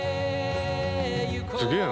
すげえな。